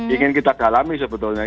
ingin kita dalami sebetulnya